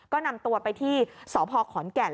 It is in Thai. ก็นำตัวไปที่สพขอนแก่น